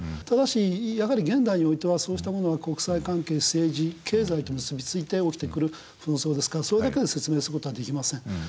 ただしやはり現代においてはそうしたものは国際関係政治経済と結び付いて起きてくる紛争ですからそれだけで説明する事はできません。